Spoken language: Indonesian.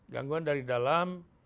gangguan dari dalam